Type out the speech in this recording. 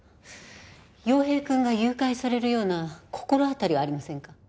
陽平くんが誘拐されるような心当たりはありませんか？